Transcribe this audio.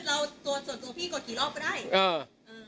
แต่ขอให้จอดตามป้าย